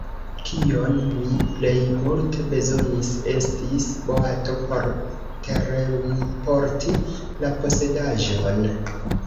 Kion mi plej multe bezonis, estis boato por terenporti la posedaĵon.